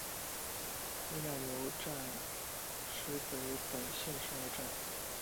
伊奈牛站石北本线上的站。